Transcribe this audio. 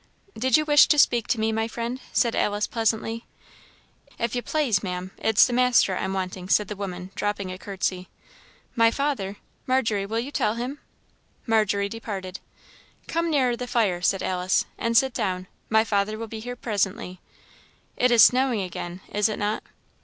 "Did you wish to speak to me, my friend?" said Alice, pleasantly. "If ye plase, Maam, it the master I'm wanting," said the woman, dropping a courtesy. "My father? Margery, will you tell him?" Margery departed. "Come nearer the fire," said Alice, "and sit down; my father will be here presently. It is snowing again, is it not?"